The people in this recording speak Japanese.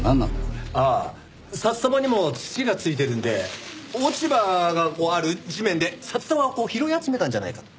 ああ札束にも土が付いてるんで落ち葉がこうある地面で札束をこう拾い集めたんじゃないかと。